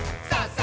さあ！